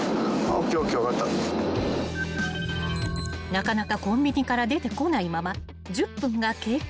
［なかなかコンビニから出てこないまま１０分が経過］